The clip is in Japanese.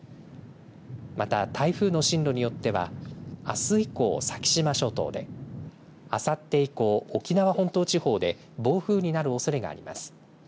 また、台風の進路によってはあす以降、先島諸島であさって以降、沖縄本島地方で暴風になるおそれがあります。